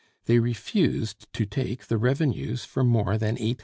They refused to take the revenues for more than £800,000.